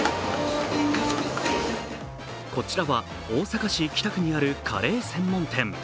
こちらは大阪市北区にあるカレー専門店。